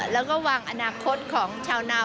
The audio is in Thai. แล้วก็วางอนาคตของชาวนาว